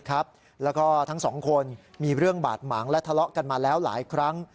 แล้วก็ทั้งสองคนมีเรื่องบาดหมางและทะเลาะกันมาแล้วหลายครั้ง